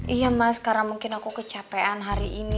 iya mas karena mungkin aku kecapean hari ini